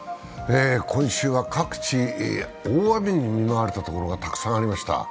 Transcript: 今週は各地大雨に見舞われたところがたくさんありました。